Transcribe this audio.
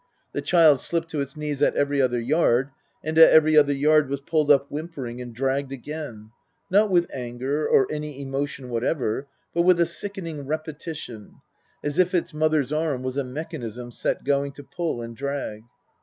The child slipped to its knees at every other yard, and at every other yard was pulled up whimpering and dragged again not with anger or any emotion whatever, but with a sickening repetition, as if its mother's arm was a mechanism set going to pull and drag.